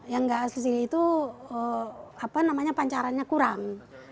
yang gak asli sendiri itu pancarannya kurang